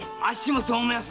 そう思いやす。